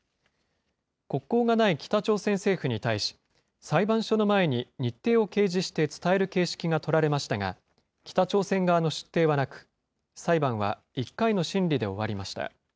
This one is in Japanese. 国交がない北朝鮮政府に対し、裁判所の前に日程を掲示して伝える形式が取られましたが、北朝鮮側の出廷はなく、裁判は１回の審理で終わりました。